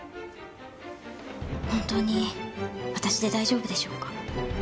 本当に私で大丈夫でしょうか？